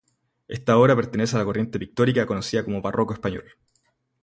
Esta obra pertenece a la corriente pictórica conocida como Barroco español.